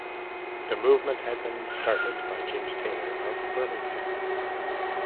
The movement had been started by James Taylor of Birmingham.